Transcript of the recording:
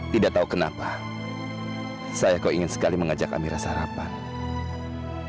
tidak tahu kenapa saya kok ingin sekali mengajak kami rasa